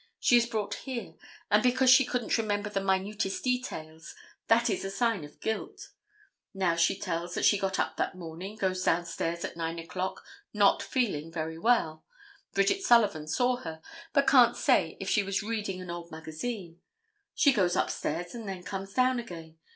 She is brought here, and because she couldn't remember the minutest details, that is a sign of guilt. Now she tells that she got up that morning, goes down stairs about 9 o'clock, not feeling very well. Bridget Sullivan saw her, but can't say if she was reading an old magazine. She goes upstairs and then comes down again.